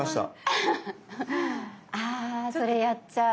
あそれやっちゃう。